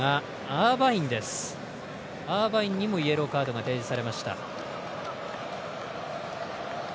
アーバインにもイエローカードが提示されました。